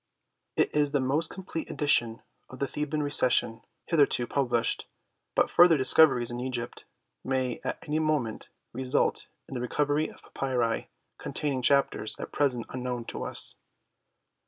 It is the most complete edi tion of the Theban Recension hitherto published, but future discoveries in Egypt may at any moment re sult in the recovery of papyri containing Chapters at present unknown to us.